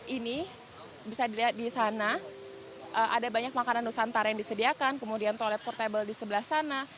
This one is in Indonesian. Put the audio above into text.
ini bisa dilihat di sana ada banyak makanan nusantara yang disediakan kemudian toilet portable di sebelah sana